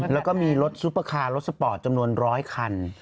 แล้วก็มีรถซุปเปอร์คาร์รถสปอร์ตจำนวน๑๐๐คัน